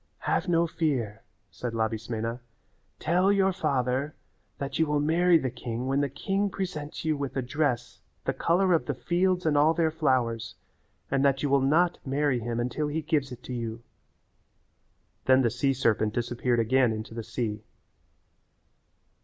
"Have no fear," said Labismena, "tell your father that you will marry the king when the king presents you with a dress the colour of the fields and all their flowers and that you will not marry him until he gives it to you." Then the sea serpent disappeared again into the sea.